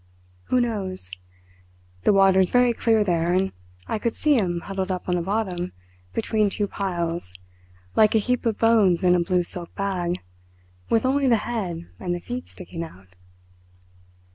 Who knows? The water's very clear there, and I could see him huddled up on the bottom, between two piles, like a heap of bones in a blue silk bag, with only the head and the feet sticking out.